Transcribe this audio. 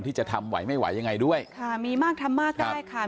ที่จะทำไหวไม่ไหวยังไงด้วยค่ะมีมากทำมากได้ค่ะ